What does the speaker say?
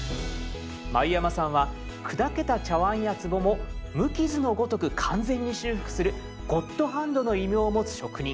繭山さんは砕けた茶碗やつぼも無傷のごとく完全に修復する「ゴッドハンド」の異名を持つ職人。